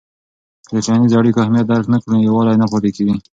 که د ټولنیزو اړیکو اهمیت درک نه کړې، یووالی نه پاتې کېږي.